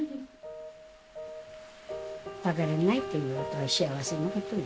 分からないってことは幸せなことよ。